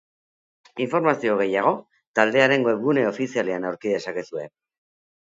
Informazio gehiago taldearen webgune ofizialean aurki dezakezue.